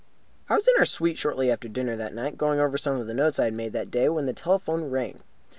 I was in our suite shortly after dinner that night, going over some of the notes I had made that day, when the telephone rang.